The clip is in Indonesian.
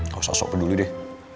kau sok sok peduli deh